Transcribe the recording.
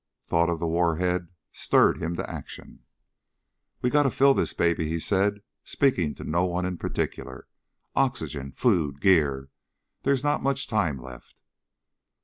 Thought of the warhead stirred him to action. "We gotta fill this baby," he said, speaking to no one in particular. "Oxygen ... food ... gear. There's not much time left."